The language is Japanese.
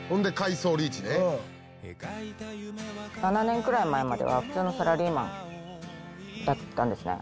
７年くらい前までは普通のサラリーマンだったんですね。